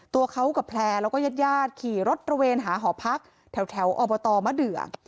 ตัวเขากับแพร่แล้วก็ยัดยาดขี่รถประเวณหาหอพักแถวอบตมาเดือก